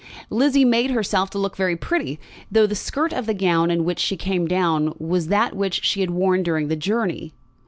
Lizzie made herself to look very pretty, though the skirt of the gown in which she came down was that which she had worn during the journey.